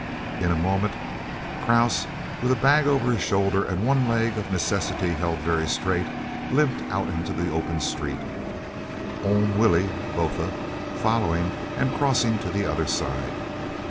In a moment, Krause, with the bag over his shoulder and one leg of necessity held very straight, limped out into the open street, "Oom Willie" (Botha) following and crossing to the other side.